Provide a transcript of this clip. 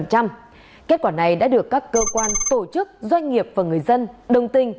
hòa này đã được các cơ quan tổ chức doanh nghiệp và người dân đồng tình